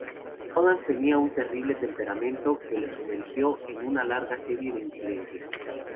Holland tenía un terrible temperamento que le sumergió en una larga serie de incidentes.